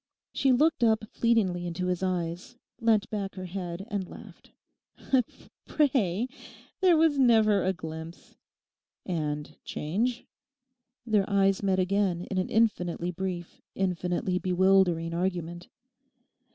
She looked up fleetingly into his eyes, leant back her head and laughed. '"Prey," there never was a glimpse.' 'And "change"?' Their eyes met again in an infinitely brief, infinitely bewildering argument.